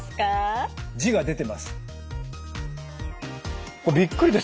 字が出てます。